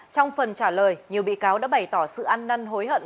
trong phần trả lời nhiều bị cáo đã bày tỏ sự ăn năn hối hận